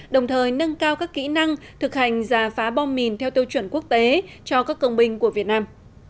đồng thời nâng cao các kỹ năng thực hành giả phá bom mìn theo tiêu chuẩn quốc tế cho các công binh của việt nam